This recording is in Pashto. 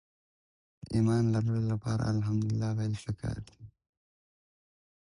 د ايمان لرلو لپاره ألحمدلله ويل پکار دي.